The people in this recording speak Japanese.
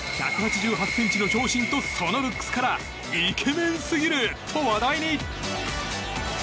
１８８ｃｍの長身とそのルックスからイケメンすぎると話題に。